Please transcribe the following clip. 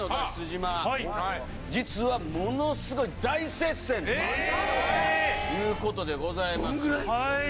島実はものすごい大接戦ということでございますどんぐらい？